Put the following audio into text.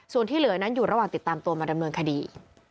ส่วนที่เหลือนั้นอยู่ระหว่างติดตามตัวมาดำเนินคดี